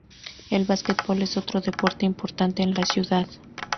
El basquetbol es otro deporte importante en la ciudad.